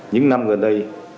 những năm gần đây